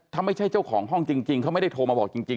ถ้าไม่ใช่เจ้าของห้องจริงเขาไม่ได้โทรมาบอกจริง